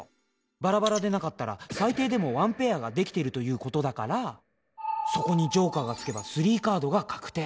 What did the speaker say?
ばらばらでなかったら最低でも１ペアができてるということだからそこにジョーカーがつけば３カードが確定。